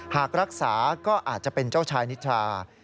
หากรักษาก็อาจจะเป็นเจ้าชายนิทรา